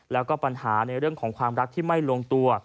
แล้วก็ปัญหาในเรื่องของความรักที่ไม่ลงตัว